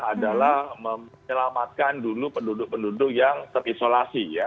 adalah menyelamatkan dulu penduduk penduduk yang terisolasi ya